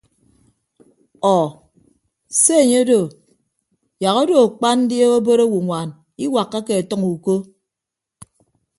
Ọọ se enye odo yak odo akpa ndi obod owoñwan iwakkake ọtʌñ uko.